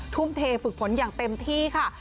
ทุ่มเทฝึกฝนอย่างเต็มที่ค่ะ